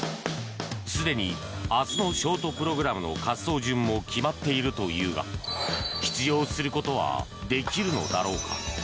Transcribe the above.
すでに、明日のショートプログラムの滑走順も決まっているというが出場することはできるのだろうか。